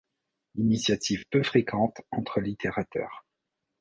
Initiative peu fréquente entre littérateurs.